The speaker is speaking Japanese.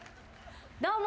どうも。